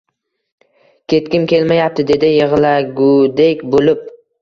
Ketgim kelmayapti, dedi yig`lagudek bo`lib